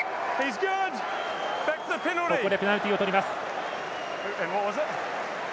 ここでペナルティをとります。